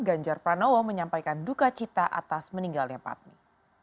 ganjar pranowo menyampaikan duka cita atas meninggalnya patmi